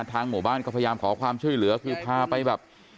ทางหมู่บ้านก็พยายามขอความช่วยเหลือคือพาไปแบบ